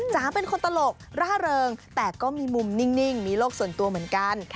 จ๋าเป็นคนตลกร่าเริงแต่ก็มีมุมนิ่งมีโลกส่วนตัวเหมือนกัน